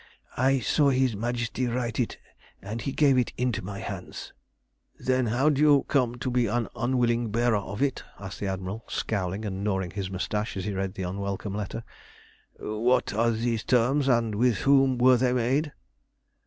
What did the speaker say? I saw his Majesty write it, and he gave it into my hands." "Then how do you come to be an unwilling bearer of it?" asked the Admiral, scowling and gnawing his moustache as he read the unwelcome letter. "What are these terms, and with whom were they made?"